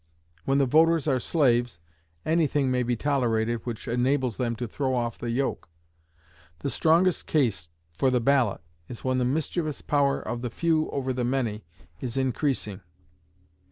When the voters are slaves, any thing may be tolerated which enables them to throw off the yoke. The strongest case for the ballot is when the mischievous power of the Few over the Many is increasing.